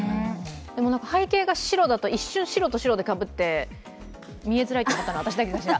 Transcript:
でも、背景が白だと、一瞬白と白でかぶって見えづらいと思ったのは私だけかしら。